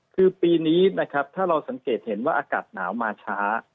คือปีนี้นะครับถ้าเราสังเกตเห็นว่าอากาศหนาวมาช้า